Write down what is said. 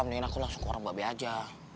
mendingan aku langsung ke rumah bebek aja